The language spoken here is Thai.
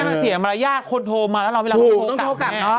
มันเสียมารยาทคนโทรมาแล้วเราเวลาเขาโทรกลับ